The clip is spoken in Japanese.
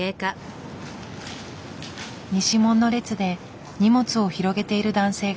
西門の列で荷物を広げている男性がいた。